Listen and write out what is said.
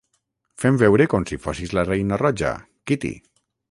Fem veure com si fossis la Reina Roja, Kitty!